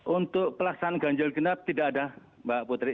untuk pelaksanaan ganjil genap tidak ada mbak putri